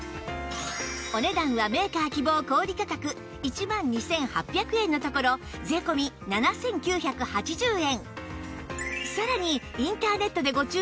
お値段はメーカー希望小売価格１万２８００円のところ税込７９８０円